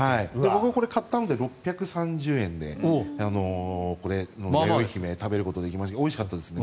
僕も買ったので６３０円でやよいひめを食べることができましたけどおいしかったですね。